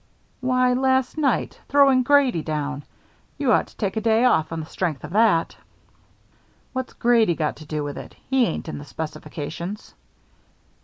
"Why, last night; throwing Grady down. You ought to take a day off on the strength of that." "What's Grady got to do with it? He ain't in the specifications."